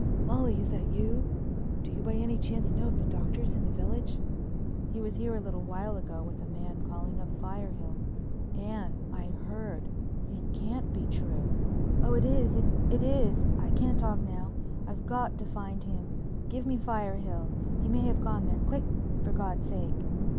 "Molly, is that you? Do you by any chance know if the Doctor's in the village?" "He was here a little while ago with a man calling up Firehill. Anne, I heard—it can't be true." "Oh, it is—it is—I can't talk now. I've got to find him. Give me Firehill. He may have gone there. Quick, for God's sake!"